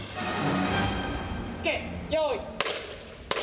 つけ。用意。